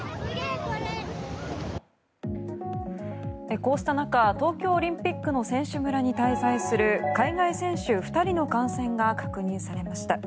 こうした中東京オリンピックの選手村に滞在する海外選手２人の感染が確認されました。